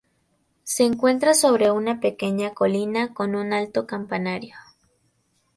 Se encuentra sobre una pequeña colina con un alto campanario.